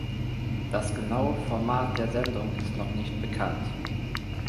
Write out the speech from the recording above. Das genaue Format der Sendung ist noch nicht bekannt.